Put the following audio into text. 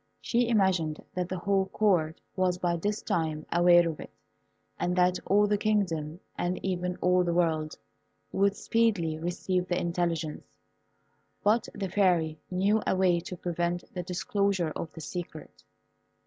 She imagined that the whole Court was by this time aware of it, and that all the kingdom, and even all the world, would speedily receive the intelligence; but the Fairy knew a way to prevent the disclosure of the secret.